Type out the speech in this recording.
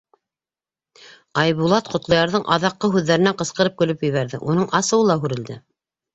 Айбулат Ҡотлоярҙың аҙаҡҡы һүҙҙәренән ҡысҡырып көлөп ебәрҙе, уның асыуы ла һүрелде.